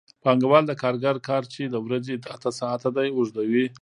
پانګوال د کارګر کار چې د ورځې اته ساعته دی اوږدوي